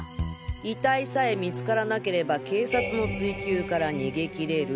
遺体さえ見つからなければ警察の追及から逃げ切れる。